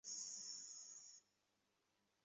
তাদের আইন অনুযায়ী জবাবদিহি করতে হচ্ছে না।